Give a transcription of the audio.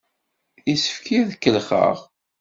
Yessefk-iyi ad k-kellexeɣ!